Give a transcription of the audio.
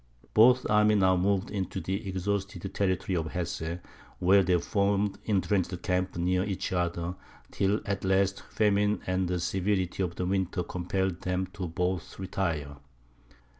Both armies now moved into the exhausted territory of Hesse, where they formed intrenched camps near each other, till at last famine and the severity of the winter compelled them both to retire.